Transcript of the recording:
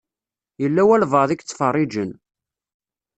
Yella walebɛaḍ i yettfeṛṛiǧen.